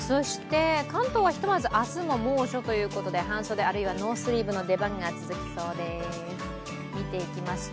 関東はひとまず明日も猛暑ということで半袖あるいはノースリーブの出番がありそうです。